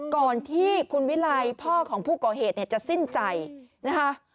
ก่อนที่คุณวิไลพ่อของผู้ก่อเหตุเนี่ยจะสิ้นใจนะคะ